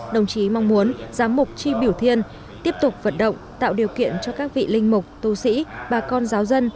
đồng chí mong muốn giám mục tri biểu thiên tiếp tục vận động tạo điều kiện cho các vị linh mục tu sĩ bà con giáo dân